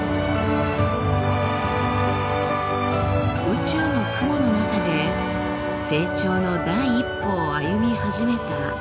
宇宙の雲の中で成長の第一歩を歩み始めた星のタマゴ。